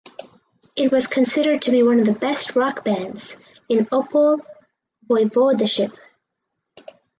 It was considered to be one of the best rock bands in Opole Voivodeship.